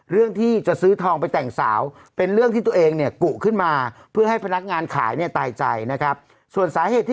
เราก็ทานแบบที่เป็นพูลที่มีกว่าแล้ว